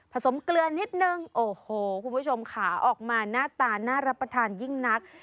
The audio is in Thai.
สมเกลือนิดนึงโอ้โหคุณผู้ชมขาออกมาหน้าตาน่ารับประทานยิ่งนัก